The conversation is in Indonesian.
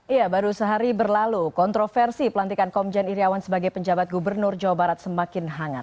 iya baru sehari berlalu kontroversi pelantikan komjen iryawan sebagai penjabat gubernur jawa barat semakin hangat